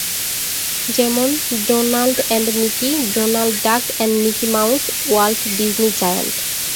যেমনঃ Donald and Mickey, Donald Duck and Mickey Mouse, Walt Disney giant.